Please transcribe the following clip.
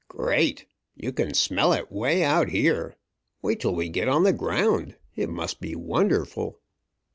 "Great! You can smell it way out here! Wait till we get on the ground! It must be wonderful!"